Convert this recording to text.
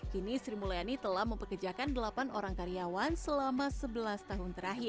kini sri mulyani telah mempekerjakan delapan orang karyawan selama sebelas tahun terakhir